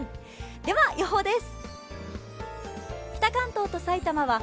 では、予報です。